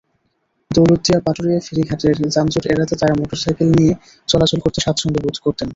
দৌলতদিয়া-পাটুরিয়া ফেরিঘাটের যানজট এড়াতে তাঁরা মোটরসাইকেল নিয়ে চলাচল করতে স্বাচ্ছন্দ্যবোধ করতেন।